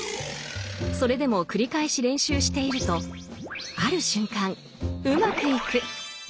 それでも繰り返し練習しているとある瞬間うまくいく。